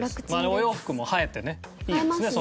お洋服も映えてねいいですね